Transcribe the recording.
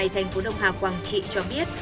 thành phố đông hà quảng trị cho biết